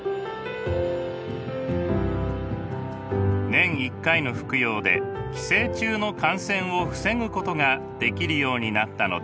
年１回の服用で寄生虫の感染を防ぐことができるようになったのです。